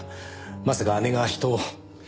まさか姉が人を。